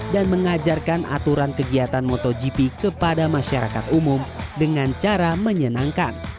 dan mengajarkan aturan kegiatan motogp kepada masyarakat umum dengan cara menyenangkan